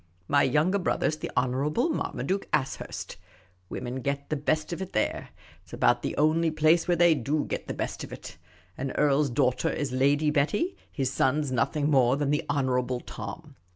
My younger brother 's the Honourable Marmaduke Ashurst — women get the best of it there — it 's about the only place where they do get the best of it : an earl's daughter is Lady Betty ; his son 's nothing more than the Honourable Tom.